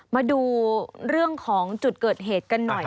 มาดูเรื่องของจุดเกิดเหตุกันหน่อย